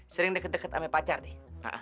sering deket deket ama pacar deh